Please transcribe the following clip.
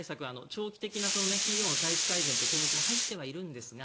長期的な企業の体質改善という項目は入ってはいるんですが